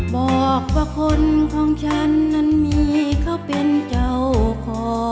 บอกว่าคนของฉันนั้นมีเขาเป็นเจ้าขอ